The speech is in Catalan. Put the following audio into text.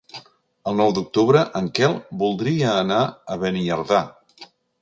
El nou d'octubre en Quel voldria anar a Beniardà.